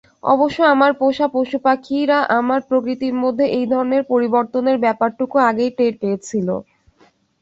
অবশ্য আমার পোষা পশুপাখিরা আমার প্রকৃতির মধ্যে এই ধরনের পরিবর্তনের ব্যাপারটুকু আগেই টের পেয়েছিল।